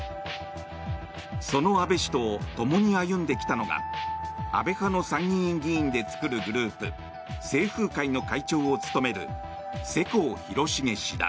その安倍氏と共に歩んできたのが安倍派の参議院議員で作るグループ清風会の会長を務める世耕弘成氏だ。